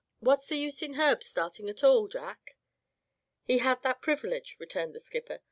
What's the use in Herb startin' at all, Jack?" "He had that privilege," returned the skipper.